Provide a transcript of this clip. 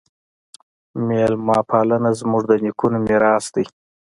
میلمه پالنه زموږ د نیکونو میراث دی.